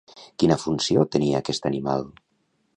Quina funció tenia aquest animal?